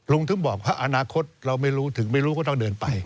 ถึงบอกว่าอนาคตเราไม่รู้ถึงไม่รู้ก็ต้องเดินไป